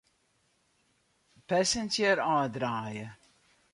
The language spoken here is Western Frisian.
Passenger ôfdraaie.